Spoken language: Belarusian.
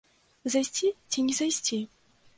Зайсці ці не зайсці?